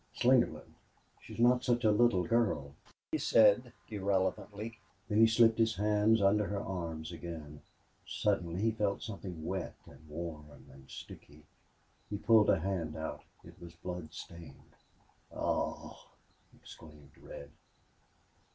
"Slingerland, she's not such a little girl," he said, irrelevantly. Then he slipped his hands under her arms again. Suddenly he felt something wet and warm and sticky. He pulled a hand out. It was blood stained. "Aw!" exclaimed Red.